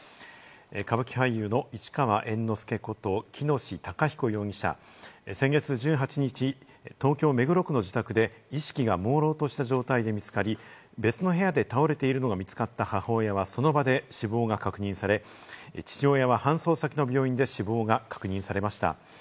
歌舞伎俳優の市川猿之助こと喜熨斗孝彦容疑者、先月１８日、東京・目黒区の自宅で意識がもうろうとした状態で見つかり、別の部屋で倒れているのが見つかった母親は、その場で死亡が確認され、父親は搬送先の病院で死亡が確認されました。